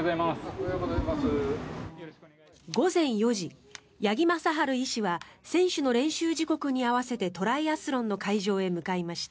午前４時、八木正晴医師は選手の練習時刻に合わせてトライアスロンの会場へ向かいました。